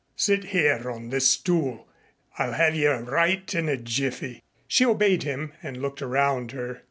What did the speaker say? "Sit here on this stool. I'll have you right in a jiffy." She obeyed him and looked around her.